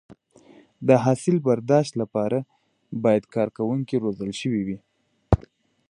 د حاصل برداشت لپاره باید کارکوونکي روزل شوي وي.